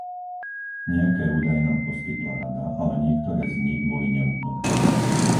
Nejaké údaje nám poskytla Rada, ale niektoré z nich boli neúplné.